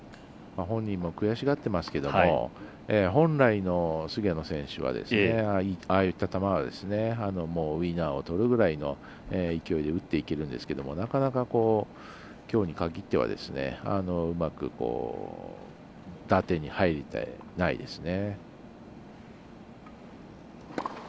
本人も悔しがってますけど本来の菅野選手はああいった球はウィナーをとるぐらいの勢いで打っていけるんですけれどなかなか、きょうに限ってはうまく打点に入れてないですね。